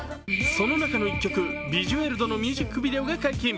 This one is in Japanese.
その中の１曲「ビジュエルド」のミュージックビデオが解禁。